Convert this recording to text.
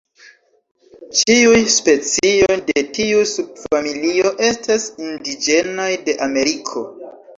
Ĉiuj specioj de tiu subfamilio estas indiĝenaj de Ameriko.